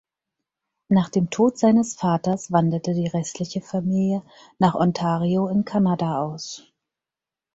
Nach dem Tod seines Vaters wanderte die restliche Familie nach Ontario in Kanada aus.